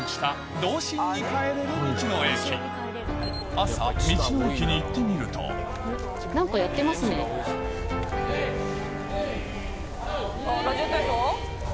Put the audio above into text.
朝道の駅に行ってみるとイチ・ニ・サン。